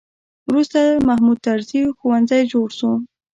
وروسته محمود طرزي ښوونځی جوړ شو.